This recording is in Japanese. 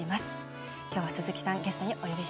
今日は鈴木さんゲストにお呼びしました。